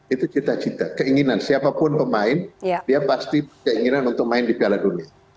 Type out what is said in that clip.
itu cita cita keinginan siapapun pemain dia pasti keinginan untuk main di piala dunia